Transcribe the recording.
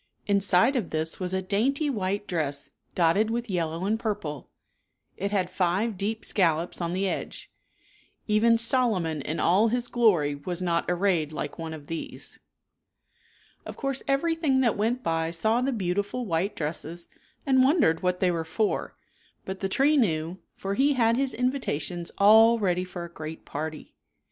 Inside of this was a dainty white dress, dotted with yellow and purple. It had five deep scallops on the edge. Even " Solomon in all his glory was not arrayed like one of these." Of course everything that went by saw the beau tiful white dresses and wondered what they were for, but the tree knew, for he had his invitations all ready for a great party.